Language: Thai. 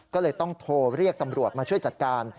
ก็เลยต้องโทรเรียกตำรวจมาช่วยจัดการ